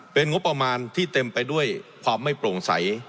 เป็นงบประมาณที่เต็มไปด้วยความไม่โปร่งใส